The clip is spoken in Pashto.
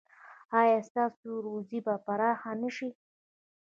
ایا ستاسو روزي به پراخه نه شي؟